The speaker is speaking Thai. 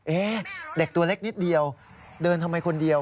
เด็กตัวเล็กนิดเดียวเดินทำไมคนเดียว